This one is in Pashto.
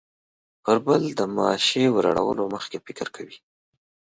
پر بل د ماشې وراړولو مخکې فکر کوي.